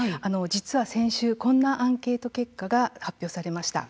実は先週、こんなアンケート結果が発表されました。